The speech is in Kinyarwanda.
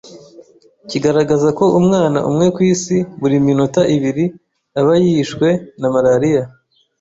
kigaragaza ko umwana umwe ku isi buri minota ibiri aba yishwe na Malariya.